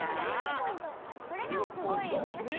それでもすごいよ！ね！